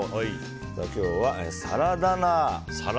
今日はサラダ菜。